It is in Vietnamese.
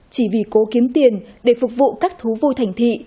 chỉ vì cố kiếm tiền để phục vụ các thú vui thành thị